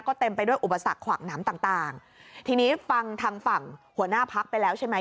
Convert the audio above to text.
ก็เต็มไปด้วยอุปสรรคขวางน้ำต่างต่างทีนี้ฟังทางฝั่งหัวหน้าพักไปแล้วใช่ไหม